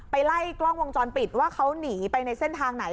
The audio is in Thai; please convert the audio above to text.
ไปไล่กล้องวงจรปิดว่าเขาหนีไปทางไหน